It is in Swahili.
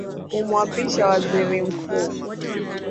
kumwapisha Waziri Mkuu